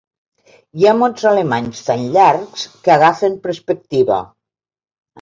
Hi ha mots alemanys tan llargs que agafen perspectiva.